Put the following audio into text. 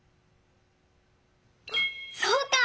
そうか！